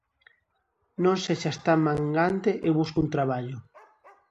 Non sexas tan mangante e busca un traballo.